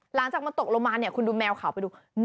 หลังจากมันตกลงมาคุณดูแมวขาวหนองนิ่ง